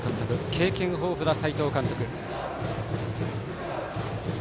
経験豊富な斎藤監督。